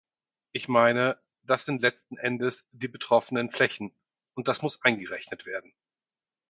Ich meine, das sind letzten Endes die betroffenen Flächen, und das muss eingerechnet werden.